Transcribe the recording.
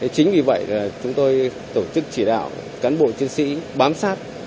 chính vì vậy chúng tôi tổ chức chỉ đạo cán bộ chiến sĩ bám sát